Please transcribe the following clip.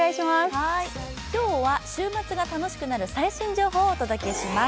今日は週末が楽しくなる最新情報をお届けします。